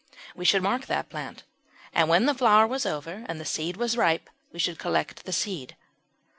We should mark that plant, and when the flower was over and the seed was ripe, we should collect the seed.